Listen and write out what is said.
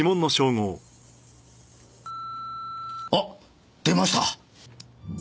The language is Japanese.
あっ出ました！